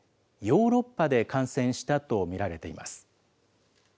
ヨーロッパで感染したと見られています。